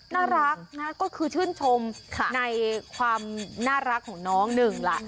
น่ารักนะก็คือชื่นชมในความน่ารักของน้องหนึ่งล่ะ